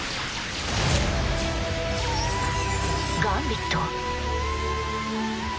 ガンビット？